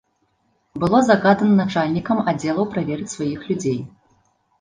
Было загадана начальнікам аддзелаў праверыць сваіх людзей.